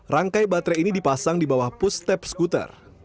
rangkai baterai ini dipasang di bawah push step skuter